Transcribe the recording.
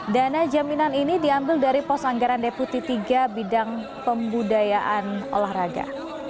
dana jaminan ini diambil dari pos anggaran deputi tiga bidang pembudayaan olahraga